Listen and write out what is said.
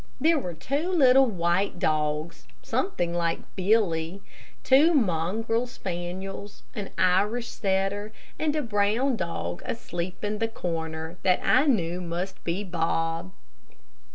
There were two little white dogs, something like Billy, two mongrel spaniels, an Irish terrier, and a brown dog asleep in the corner, that I knew must be Bob.